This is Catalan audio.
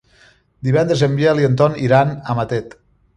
Divendres en Biel i en Ton iran a Matet.